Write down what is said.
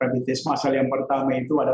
rapid test masal yang pertama itu ada